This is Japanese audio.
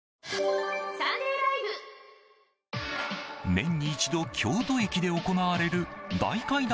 年に一度、京都駅で行われる大階段